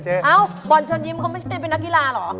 เบาบ่นเกลงยิ้มคงไม่เป็นนักกีฬาหรอ